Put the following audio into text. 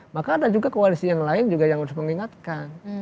maka ada juga koalisi yang lain juga yang harus mengingatkan